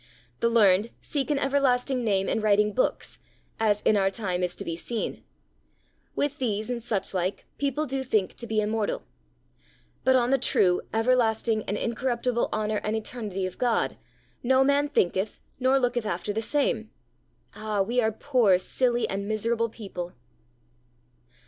The learned seek an everlasting name in writing books, as in our time is to be seen. With these and such like, people do think to be immortal. But on the true, everlasting, and incorruptible honour and eternity of God, no man thinketh nor looketh after the same. Ah! we are poor, silly, and miserable people!